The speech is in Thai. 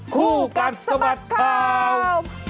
คู่กัดสะบัดข่าว